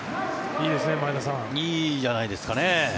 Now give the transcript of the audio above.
いいじゃないですかね。